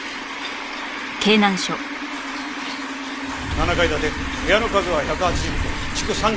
７階建て部屋の数は１８０戸築３６年だ。